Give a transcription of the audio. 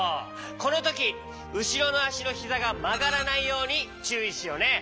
このときうしろのあしのひざがまがらないようにちゅういしようね！